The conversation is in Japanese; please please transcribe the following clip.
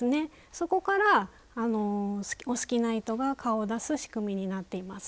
そこからお好きな糸が顔を出す仕組みになっています。